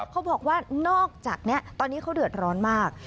เขาบอกว่านอกจากนี้ตอนนี้เขาเดือดร้อนมาก